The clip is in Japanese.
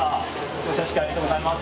表彰式ありがとうございます。